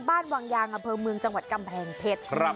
บ้านวังยางอำเภอเมืองจังหวัดกำแพงเพชร